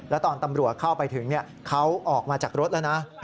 แล้วตอนตำรวจเข้าไปถึงเขาออกมาจากรถแล้วนะ